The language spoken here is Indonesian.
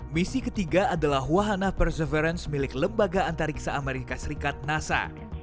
misi ketiga adalah wahana perseverance milik lembaga antariksa amerika serikat nasa